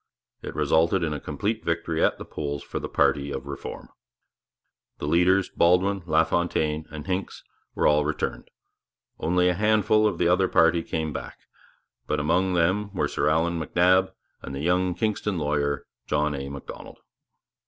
It resulted in a complete victory at the polls for the party of Reform. The leaders, Baldwin, LaFontaine, and Hincks, were all returned. Only a handful of the other party came back; but among them were Sir Allan MacNab and the young Kingston lawyer, John A. Macdonald.